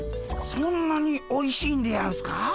そんなにおいしいんでやんすか？